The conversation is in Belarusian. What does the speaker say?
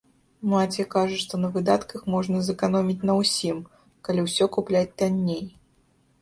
Маці кажа, што на выдатках можна зэканоміць на ўсім, калі ўсе купляць танней.